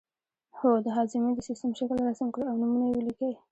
هو د هاضمې د سیستم شکل رسم کړئ او نومونه یې ولیکئ